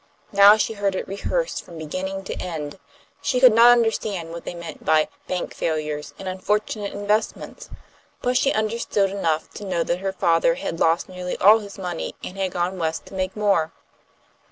Now she heard it rehearsed from beginning to end. She could not understand what they meant by "bank failures" and "unfortunate investments," but she understood enough to know that her father had lost nearly all his money, and had gone West to make more.